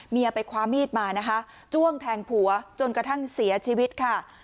ไปคว้ามีดมานะคะจ้วงแทงผัวจนกระทั่งเสียชีวิตค่ะ